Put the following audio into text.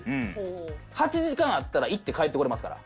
８時間あったら行って帰ってこれますから。